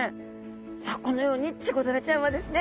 さあこのようにチゴダラちゃんはですね